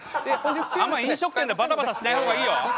あんま飲食店でバタバタしない方がいいよ。